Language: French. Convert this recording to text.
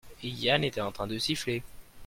Yann était en train de siffler.